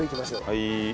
はい。